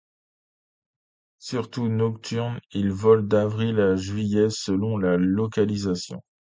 Surtout nocturne, il vole d'avril à juillet selon la localisation.